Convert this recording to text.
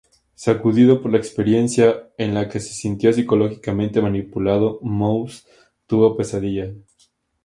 Sacudido por la experiencia, en la que se sintió psicológicamente manipulado, Moss tuvo pesadillas.